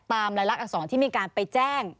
ตามรายลักษณ์อักษรที่มีการไปแจ้ง